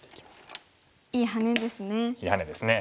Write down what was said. いいハネですね。